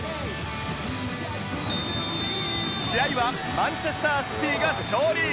試合はマンチェスター・シティが勝利